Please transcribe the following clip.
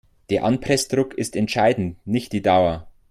Der Anpressdruck ist entscheidend, nicht die Dauer.